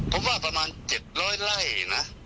ผมว่าประมาณ๗๐๐ไร่นะ